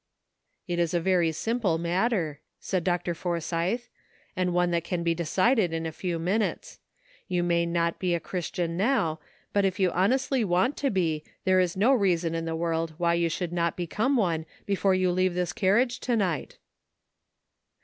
"It is a very simple matter," said Dr. For sythe, " and one that can be decided in a few minutes. You may not be a Christian now, but if you honestly want to be there is no 292 GREAT QUESTIONS SETTLED. reason in the world why you should not become one before you leave this carriage to night."